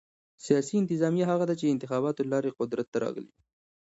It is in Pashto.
سیاسي انتظامیه هغه ده، چي انتخاباتو له لاري قدرت ته راغلي يي.